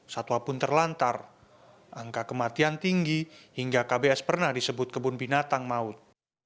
satwa pun terlantar angka kematian tinggi hingga kbs pernah disebut kebun binatang maut